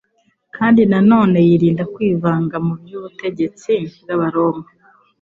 kandi na none yirinda kwivanga mu by'ubutegetsi bw'Abaroma.